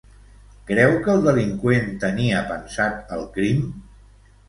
Creu que el delinqüent tenia pensat el crim?